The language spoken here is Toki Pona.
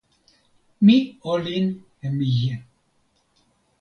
mi olin e mije.